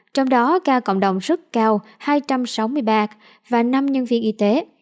trong đó ca cộng đồng rất cao hai trăm sáu mươi ba và năm nhân viên y tế